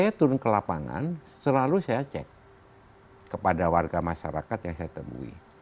saya turun ke lapangan selalu saya cek kepada warga masyarakat yang saya temui